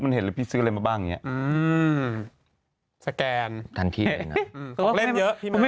มันเห็นแล้วพี่ซื้ออะไรมาบ้างอย่างเงี้ยสแกนทันที่อืมเขาเล่นเยอะไม่